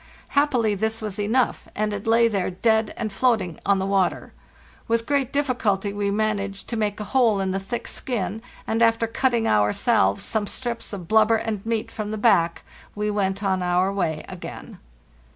Happily this was enough, and it lay there dead and floating on the water. With great difficulty we managed to make a hole in the thick skin, and after cutting ourselves some strips of blubber and meat from the back we went on our way again.